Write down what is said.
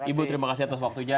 ibu terima kasih atas waktunya